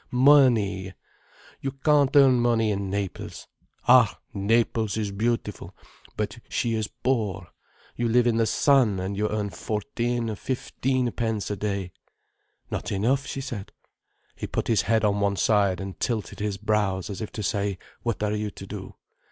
Money! You can't earn money in Naples. Ah, Naples is beautiful, but she is poor. You live in the sun, and you earn fourteen, fifteen pence a day—" "Not enough," she said. He put his head on one side and tilted his brows, as if to say "What are you to do?"